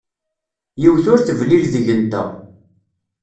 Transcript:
Yiwet ur teblil deg-nteɣ.